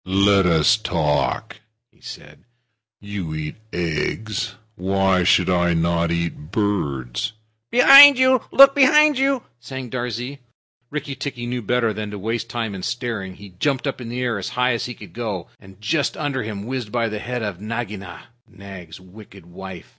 "Let us talk," he said. "You eat eggs. Why should not I eat birds?" "Behind you! Look behind you!" sang Darzee. Rikki tikki knew better than to waste time in staring. He jumped up in the air as high as he could go, and just under him whizzed by the head of Nagaina, Nag's wicked wife.